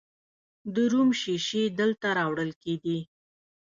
د روم شیشې دلته راوړل کیدې